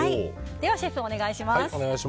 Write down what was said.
ではシェフ、お願いします。